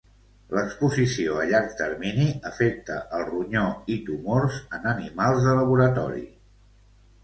L'exposició a llarg termini afecta el ronyó i tumors en animals de laboratori.